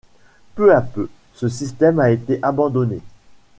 Peu à peu, ce système a été abandonné.